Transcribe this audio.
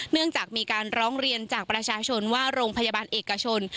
เนื่องจากมีการร้องเรียนจากประชาชนว่าโรงพยาบาลเอกชน